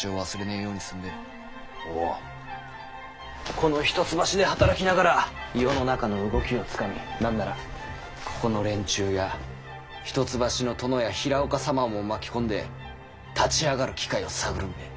この一橋で働きながら世の中の動きをつかみ何ならここの連中や一橋の殿や平岡様をも巻き込んで立ち上がる機会を探るんだい。